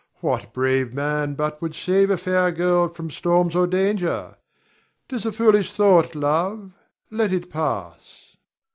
What brave man but would save a fair girl from storms or danger? 'Tis a foolish thought, love; let it pass.